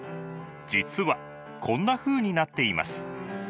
実はこんなふうになっています。